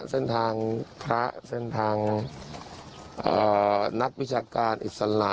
เส้นทางพระเส้นทางนักวิชาการอิสระ